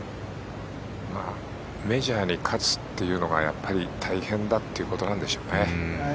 メジャーに勝つというのがやっぱり大変だということなんでしょうね。